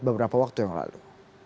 beberapa waktu yang lalu